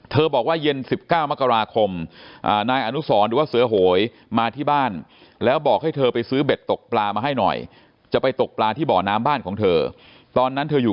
เธอบอกว่าเย็น๑๙มกราคมนายอนุสรหรือว่าเสื้อโหยมาที่บ้าน